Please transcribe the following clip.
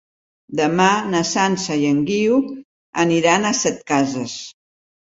Demà na Sança i en Guiu aniran a Setcases.